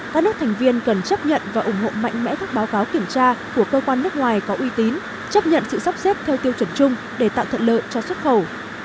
các nước thành viên cần chấp nhận và ủng hộ mạnh mẽ các báo cáo kiểm tra của cơ quan nước ngoài có uy tín chấp nhận sự sắp xếp theo tiêu chuẩn chung để tạo thuận lợi cho xuất khẩu